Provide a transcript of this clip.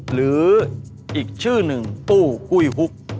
หรืออีกชื่อหนึ่งตู้กุ้ยฮุก